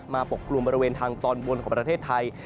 ปกกลุ่มบริเวณทางตอนบนของประเทศไทย